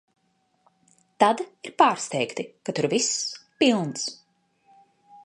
Tad ir pārsteigti, ka tur viss pilns.